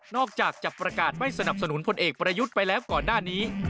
อกจากจะประกาศไม่สนับสนุนพลเอกประยุทธ์ไปแล้วก่อนหน้านี้